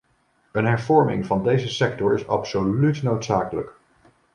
Een hervorming van deze sector is absoluut noodzakelijk.